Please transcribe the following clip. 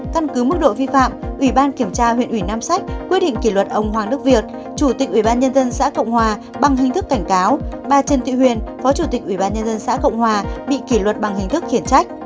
căn cứ mức độ vi phạm ủy ban kiểm tra huyện ủy nam sách quyết định kỷ luật ông hoàng đức việt chủ tịch ủy ban nhân dân xã cộng hòa bằng hình thức cảnh cáo bà trần thị huyền phó chủ tịch ủy ban nhân dân xã cộng hòa bị kỷ luật bằng hình thức khiển trách